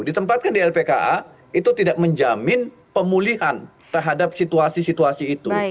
ditempatkan di lpka itu tidak menjamin pemulihan terhadap situasi situasi itu